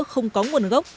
không có nguồn gốc